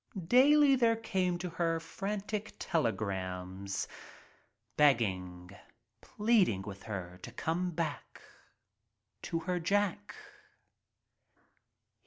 Daily there came to her frantic telegrams beg ging, pleading with her to come back — to her Jack.